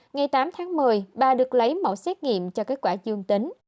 ngày tám tháng một mươi bà được lấy mẫu xét nghiệm cho kết quả dương tính